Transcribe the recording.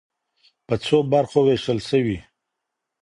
په څو برخو وېشل سوی.